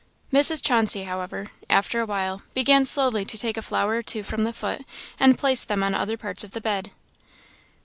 Mrs. Chauncey, however, after a while, began slowly to take a flower or two from the foot, and place them on other parts of the bed.